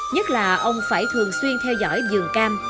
nhất là ông phải thường xuyên theo dõi dường cam